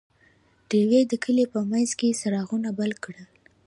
ډیوې د کلي په منځ کې څراغونه بل کړل.